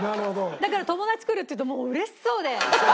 だから友達来るっていうともう嬉しそうで。